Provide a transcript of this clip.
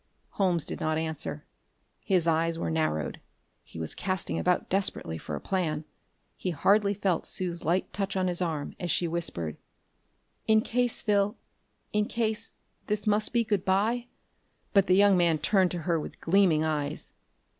Holmes did not answer. His eyes were narrowed; he was casting about desperately for a plan. He hardly felt Sue's light touch on his arm as she whispered: "In case, Phil in case.... This must be good by...." But the young man turned to her with gleaming eyes.